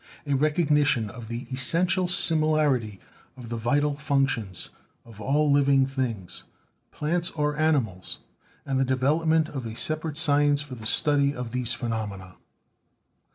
a recognition of the essential similarity of the vital functions of all living things, plants or animals; and the development of a separate science for the study of these phenomena.